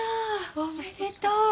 おめでとう。